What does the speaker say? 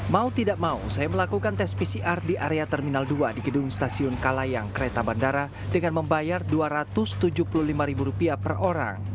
mau tidak mau saya melakukan tes pcr di area terminal dua di gedung stasiun kalayang kereta bandara dengan membayar dua ratus tujuh puluh lima per orang